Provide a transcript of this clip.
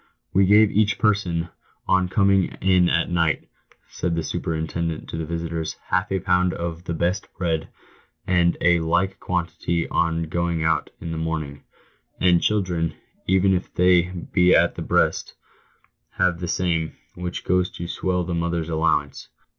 ""We give each person, on coming in at night," said the superin tendent to the visitors, " half a pound of the best bread, and a like quantity on going out in the morning ; and children, even if they be at the breast, have the same, which goes to swell the mother's allowance.